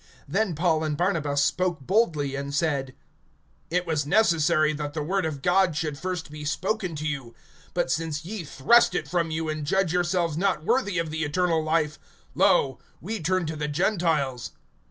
(46)Then Paul and Barnabas spoke boldly, and said: It was necessary that the word of God should first be spoken to you; but since ye thrust it from you, and judge yourselves not worthy of the eternal life, lo, we turn to the Gentiles.